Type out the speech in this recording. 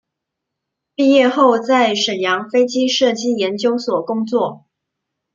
毕业后在沈阳飞机设计研究所工作。